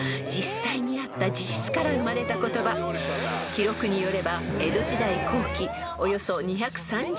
［記録によれば］